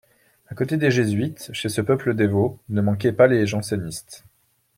À côté des jésuites, chez ce peuple dévot, ne manquaient pas les jansénistes.